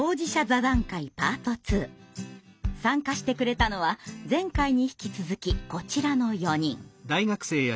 参加してくれたのは前回に引き続きこちらの４人。